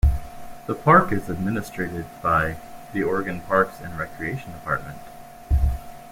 The park is administered by the Oregon Parks and Recreation Department.